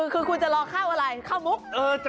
คุณจะรอเข้าอะไรเข้ามุก